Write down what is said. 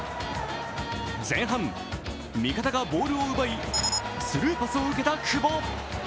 前半、味方がボールを奪いスルーパスを受けた久保。